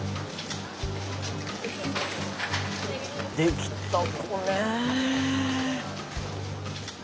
できた子ね。